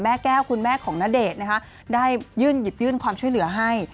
แก้วคุณแม่ของณเดชน์นะคะได้ยื่นหยิบยื่นความช่วยเหลือให้